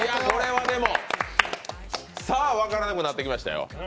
分からなくなってきましたよ